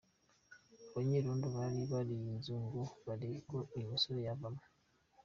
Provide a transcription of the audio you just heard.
Abanyerondo bari buriye inzu ngo barebe ko uyu musore yavamo.